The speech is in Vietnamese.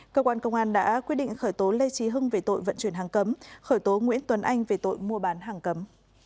cơ quan công an đã quyết định khởi tố lê trí hưng về tội vận chuyển hàng cấm khởi tố nguyễn tuấn anh về tội mua bán hàng cấm